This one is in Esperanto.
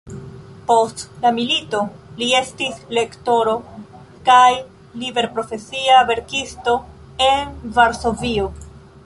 Post la milito li estis lektoro kaj liberprofesia verkisto en Varsovio.